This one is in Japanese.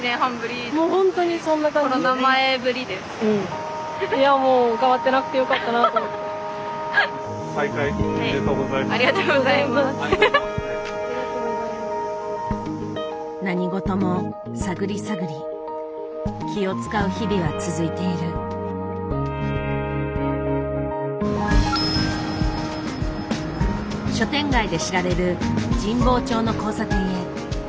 書店街で知られる神保町の交差点へ。